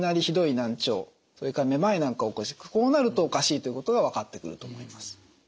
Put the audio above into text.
難聴それからめまいなんかを起こしこうなるとおかしいということが分かってくると思います。